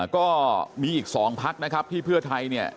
ก็มีอีกสองพักนะครับที่เพื่อไทย